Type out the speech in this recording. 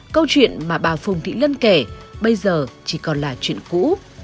câu chuyện mà bà phùng thị lân kể bây giờ chỉ còn là chuyện cũ